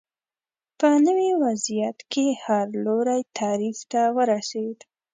په نوي وضعیت کې هر لوری تعریف ته ورسېد